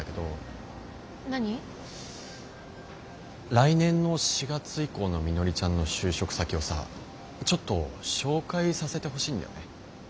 来年の４月以降のみのりちゃんの就職先をさちょっと紹介させてほしいんだよね。